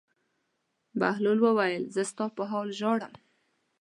بهلول وویل: زه ستا په حال ژاړم.